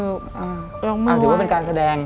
เออเอาถือว่ามันการแสดง